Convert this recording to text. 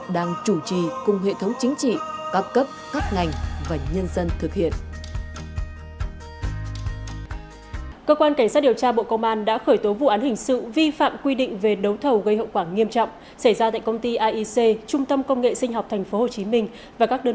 đang chủ trì cùng hệ thống chính trị các cấp các ngành và nhân dân thực hiện